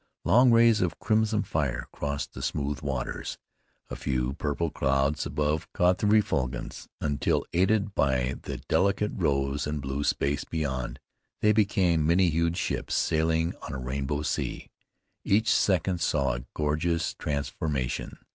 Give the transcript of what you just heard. Long rays of crimson fire crossed the smooth waters. A few purple clouds above caught the refulgence, until aided by the delicate rose and blue space beyond, they became many hued ships sailing on a rainbow sea. Each second saw a gorgeous transformation.